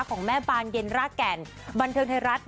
ของแม่บานเย็นรากแก่นบันเทิงไทยรัฐ